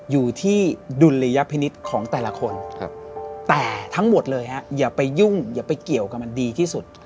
อยู่ที่ดุลยพินิษฐ์ของแต่ละคนแต่ทั้งหมดเลยฮะอย่าไปยุ่งอย่าไปเกี่ยวกับมันดีที่สุด